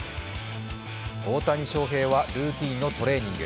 大谷翔平はルーチンのトレーニング。